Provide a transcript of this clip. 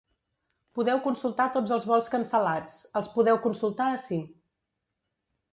Podeu consultar tots els vols cancel·lats els podeu consultar ací.